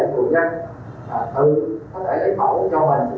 vùng gật vùng gật ở địa phương trong đó vùng gật quốc tế